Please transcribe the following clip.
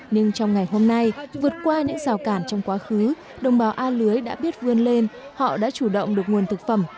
nhưng trong ngày hôm nay vượt qua những rào cản trong quá khứ đồng bào a lưới đã biết vươn lên họ đã chủ động được nguồn thực phẩm